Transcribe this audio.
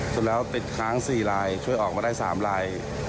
สุดแล้วติดค้าง๔ลายช่วยออกมาได้๓ลาย